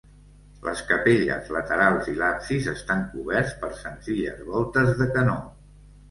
Les capelles laterals i l'absis estan coberts per senzilles voltes de canó.